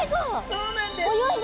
そうなんです。